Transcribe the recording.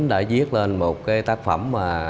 đã viết lên một tác phẩm